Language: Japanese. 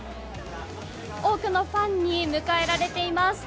多くのファンに迎えられています。